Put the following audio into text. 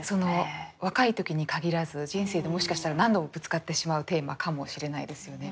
若い時に限らず人生でもしかしたら何度もぶつかってしまうテーマかもしれないですよね。